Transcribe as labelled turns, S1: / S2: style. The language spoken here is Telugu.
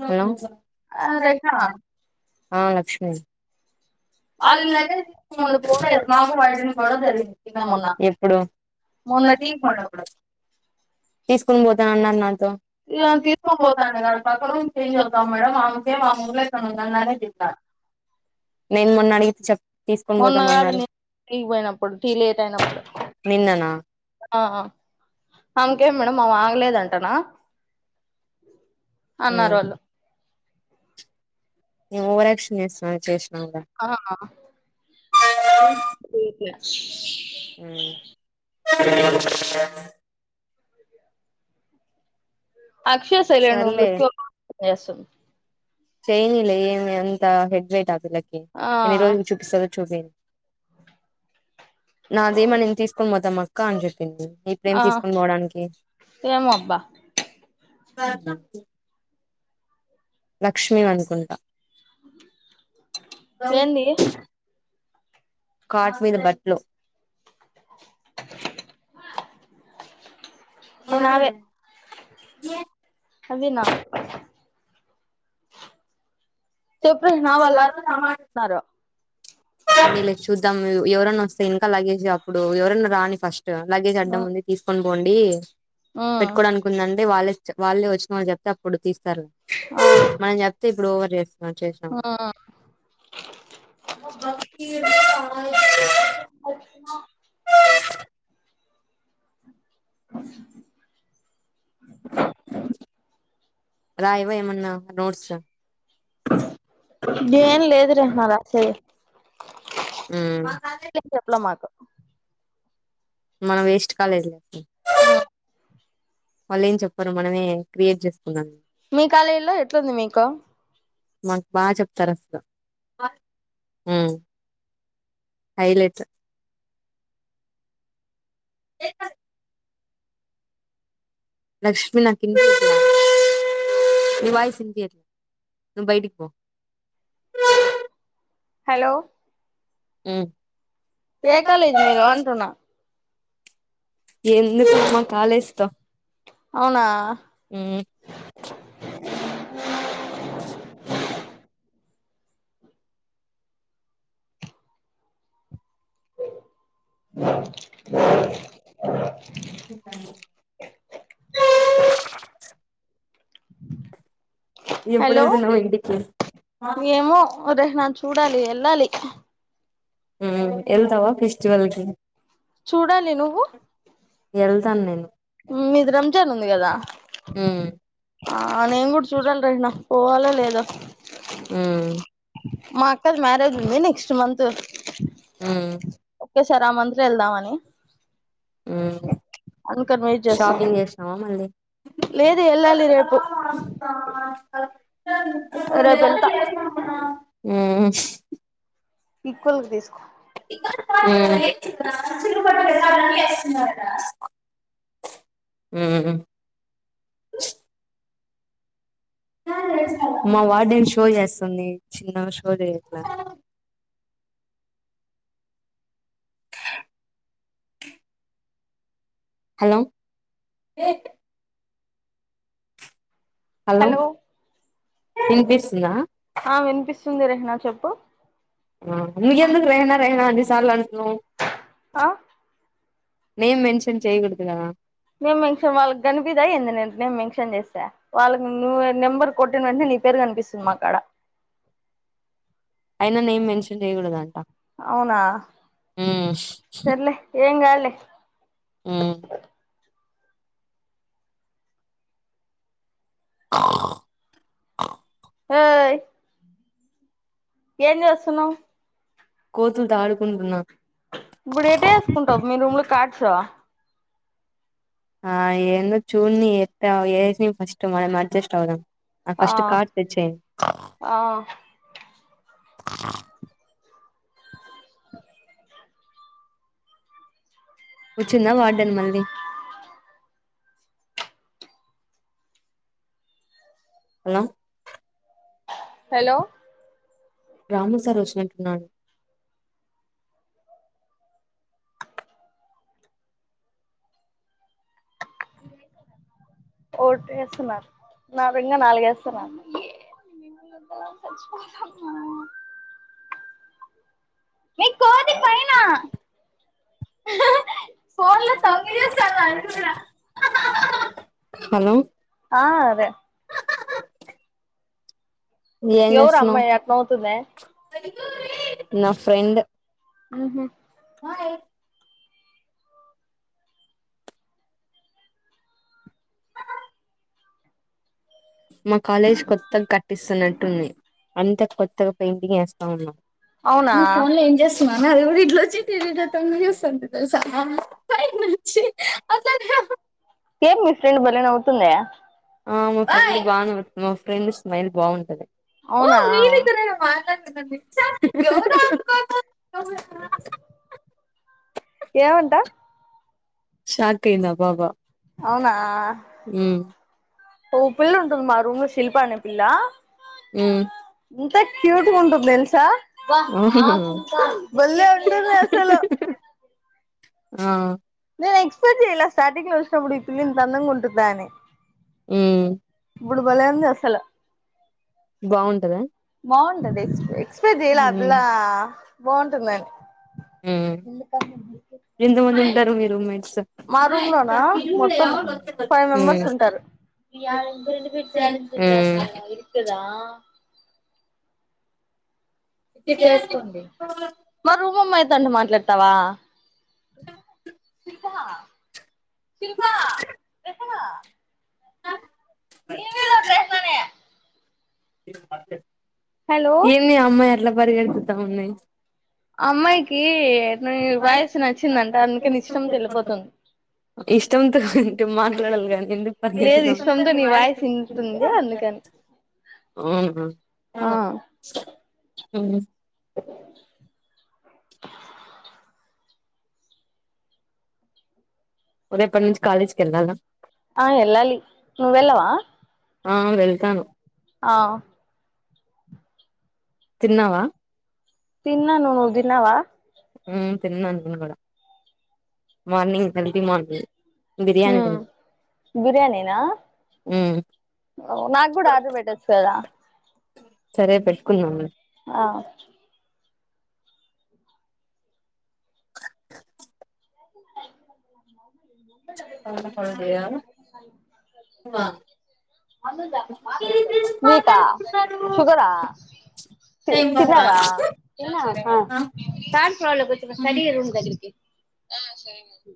S1: హలో
S2: ఆ!
S1: హా రజిత
S2: రష్యనా?
S1: ఆ లక్ష్మి
S2: వాళ్ళు
S1: వాళ్ళకు
S2: మొన్న పోలేదు
S1: మాకు గొడవ
S2: మొన్న.
S1: జరిగింది ఎప్పుడు
S2: మొన్న టీకి పోయినప్పుడు
S1: తీసుకని పోతా అన్నది నాతో
S2: ఇగ
S1: తీసుకుని
S2: తీసుకొని
S1: పోతా అని
S2: పోతాండని
S1: కాదు పక్కన చేంజ్ అవుతా మే ఆమెకే ఆ ము్ ఉంద తి నేను మొన్న అడిగితే చెప్ప
S2: మొన్న కాదు న టీగి పోయినప్పుడు టీ లేట్ అయినప్పుడు
S1: నిన్ననా
S2: ఆ అంకేం మేడం అ ఆగలేదంటనా అన్నారు వాళ్ళు
S1: నువ్వు ఓవరక్షన్ చేసున్నావ్ చేస్కో
S2: ఆ
S1: హ్మ్
S2: అక్షయ సైలెంటుగా ఉంది
S1: సర్లే
S2: లిఫ్ట్ ఏసున్
S1: చేయానిలే ఏమి అంత హెడ్వేట్ ఆ పిల్లకి
S2: ఆ!
S1: ఎన్ని రోజులు చుపిస చుసేన్ నాదేమో నేను తీసుకొని పోతా మా కాంజు నీ ప్రేమ్
S2: ఆ!
S1: తీసుకొని పోోడానికి
S2: ఏమో అబ్బా!
S1: స [inaudible] లక్ష్మిీ ని అనుకుంటా
S2: ఎంది
S1: కాట్ మీద బట్లు
S2: అవునావే అవి నా [unintelligible]
S1: వ నా [inaudible] ఇల చూద్దాం ఎవరన్న వస్తే లగేజ్ అప్పుడు ఎవరైనా రాని ఫస్ట్ లగేజ్
S2: ఆ!
S1: అడ్డంముంది తీసు కం పోండి
S2: ఆ
S1: పెట్టుకోవడానికికుందండి వాళ్ళే వాళ్ళే వచ్చినమని చెప్తే అప్పుడు తీసు స [unintelligible]
S2: ఆ
S1: మనం చెప్తే ఇప్పుడు రేస్ ఆ చేసాము అఖ [inaudible]
S2: అ
S1: రాయవైమన్నా నోట్స్
S2: ఏంలేదు రనా వస
S1: ఉమ్
S2: చెప్పలే మాకు
S1: మనం వేస్ట్ కాలేజ్ లే వాళ్ళు ఏం చెప్పారు మనమే క్రియేట్ చేస్త
S2: మీ కళేల్లో ఎట్లుంది మీకు
S1: మాకు బాగా చెప్తారు అసలు హ్మ్ హైలైట్ ఎ లక్ష్మి నా కింత నీ వాయిస్ వినిపియ్యట్లే నువు బయటికి పో
S2: హలో
S1: మ్
S2: ఏ కాలేజీ మీరు అంటున్నా
S1: ఎందుకు మా కాలేజ్తో
S2: అవునా [inaudible]
S1: ఇంకా ఎప్పుడు
S2: హలో
S1: వెళ్తున్నావు ఇంటికి హా
S2: ఏమో చూడాలి ఎళ్ళాలి
S1: ఉ ఎల్తవ ఫెస్టివల్ కి
S2: చూడాలి నువ్వు
S1: తను నేను
S2: మీది రంజాన్ ఉంది కదా
S1: ఉమ్,
S2: ఆ నేను కూడా చూడాలి రెహనా పోవాలో లేదో
S1: మ్
S2: మా అక్కది మ్యారేజ్ ఉంది నెక్స్ట్ మంత్
S1: ఉమ్,
S2: సార్ ఆ మంత్ లో వెళ్దామని.
S1: ఉమ్. షాపింగ్ చేసినావా మళ్ళీ
S2: లేదు ఎల్లాలి రేపు
S1: ఆ
S2: రేపు వెళ్తా
S1: [unintelligible] ఊ
S2: ఈక్వల్ గా తీసుకో.
S1: ఊ ఉఊ ఉ మా వార్డెన్ షో చేస్తుంది చిన్న షో చేయట్లా. హలో హలో వినిపిస్తుందా
S2: ఆ వినిపిస్తుంది రెహనా చెప్పు.
S1: చాలంట నవ్
S2: ఆ
S1: నేమ్ మెన్షన్ చేయకూడదు కదా
S2: మే మెన్షన్ వాళ్ళకి కనిపిదా ఏంది నేమ్ మెన్షన్ చేస్తే వాళ్ళకి నువ్ నెంబర్ కొట్టిన వెంటనే నీ పేరు కనిపిస్తుంది మా కాడ
S1: అయినా నేమ్ మెన్షన్ చేయకూడదు అంటా
S2: అవునా సర్లే ఏంగ్ కాదులే
S1: మ్మ్మ్మ్
S2: ఓయ్ ఏం చేసున్నావ్
S1: కోతులుతో ఆడుకుంటున్నా.
S2: ఇప్పుడు ఎట్టె వేసుకుంటావు మీ రూమ్ లో కాట్స్
S1: ఆ ఏందో చూడ్ని ఎత్త ఏసినా ఫస్ట్ మనం అడ్జస్ట్ అవుదాం ఆ ఫస్ట్ కార్ట్ తెచ్చేయ్
S2: ఆ
S1: వచ్చిందా వార్డెన్ మళ్ళీ హలో
S2: హలో
S1: రాము సార్ వచ్చినట్టున్నాడు
S2: పోటి వేస్తున్నారు నా వింగా నాలుగేస్తున్నారు ఏ కోతి పైన ఫోన్లో తొంగిచూస్తోంది అది కూడా
S1: హలో
S2: ఆ అదే
S1: ఏం
S2: ఎవరు ఆ
S1: చేస్తున్నావ్
S2: అమ్మాయి అట్ల నవుతుంది
S1: నా ఫ్రెండు
S2: ఆహా
S1: మే మా కాలేజ్ కొత్తగా కట్టిస్తున్నారు ఉంది అంత కొత్తగా పెయింటింగ్ వేస్తా ఉన్నా
S2: అవునా
S1: నువ్ ఫోన్ లో ఏం చేస్తున్నావ్ అది కూడా ఇట్లోచి ఇట్లిట్ల తొంగిచూస్తోంది తెలుసా పైనుంచి
S2: ఏం మీ ఫ్రెండ్ భలే నవుతుంది
S1: ఆ మా ఫ బా మా ఫ్రెండ్ స్మైల్ బాగుంటది ఓ
S2: అవునా
S1: మీరిద్దరేనా మాట్లాడుతున్నది ఎవరు అనుకోను
S2: ఏమంటా
S1: షాక్ అయింది ఆ పాప
S2: అవునా
S1: హ్మ్మ్
S2: ఓ పిల్ల ఉంటుంది మా రూమ్ లో శిల్పా అనే పిల్ల
S1: హ్మ్మ్
S2: ఎంత క్యూట్ గా ఉందో తెలుసా
S1: అవునా
S2: భలే ఉంటుంది అసలు
S1: ఆ
S2: నేను ఎక్స్పెక్ట్ చేయలే స్టార్టింగ్ లో వచ్చినప్పుడు ఈ పిల్ల ఇంతందంగా ఉంటుందా అని
S1: హ్మ్మ్
S2: ఇప్పుడు భలే అంది అసలు
S1: బాగుంటదా
S2: ఆన్ ద రిస్ట్ ఎక్స్పెక్ట్ చేయలా ఆ
S1: ఉమ్
S2: పిల్ల బాగుంటుందండి
S1: ఊ ఎంత మంది ఉంటారు మీరు రూమ్ మేట్
S2: మా రూమ్ లో నా మొత్తం ఫైవ్ మెంబర్స్ ఉంటారు షీట్ ఎసుకోండి మా రూమ్ అమ్మాయ్ తో అంట మాట్లా గట్టవ శిల్పా శిల్పా నా హలో
S1: [inaudible] ఎన్ని అమ్మాయ అట్లే పెట్ [unintelligible] కలిపిత మమ్మీ
S2: ఆ అమ్మాయికి నీ వాయిస్ నచ్చిందంట అందుకని ఇష్టంతో వెళ్ళిపోతుంది
S1: ఇష్టంతో ఉంటే మాట్లాడాలి కానీ ఎందుకు
S2: లేదు
S1: పరుగెత్తుతావ్
S2: ఇష్టంతో నీ వాయిస్ వింటుంది అందుకని
S1: ఊ ఊహు
S2: ఆ
S1: ఊ రేపటి నుంచి కాలేజీకి వెళ్ళాలా
S2: ఆ వేల్లాలి నువ్వు వెళ్ళవా
S1: ఆ వెళ్తాను
S2: ఆ
S1: తిన్నావా
S2: తిన్నాను నువ్వు తిన్నావా
S1: హు తిన్నాను నేను కూడా మార్నింగ్ ఎర్లీ మార్నింగ్ బిర్యానీ
S2: ఆ
S1: తిన్నా
S2: బిర్యానీనా?
S1: ఉమ్
S2: నాకు కూడా ఆర్డర్ పెట్టొచ్చు కదా
S1: సరే పెట్టుకున్నా లే
S2: ఆ మీకా షుగరా తిన్నారా
S1: లే
S2: తిన్నావా స్టడీ రూమ్ దగ్గరికి [inaudible] ఆ సరేలే